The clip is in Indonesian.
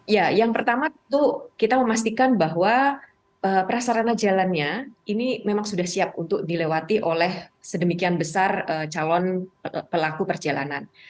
ya yang pertama itu kita memastikan bahwa prasarana jalannya ini memang sudah siap untuk dilewati oleh sedemikian besar calon pelaku perjalanan